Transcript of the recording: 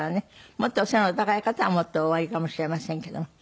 もっとお背の高い方はもっとおありかもしれませんけども。